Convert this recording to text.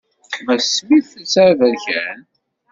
Mass Smith telsa aberkan.